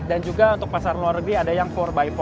dan juga untuk pasar luar negeri ada yang empat x empat